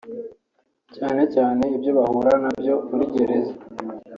cyane cyane ibyo bahura na byo muri gereza